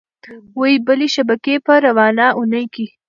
وې بلې شبکې په روانه اونۍ کې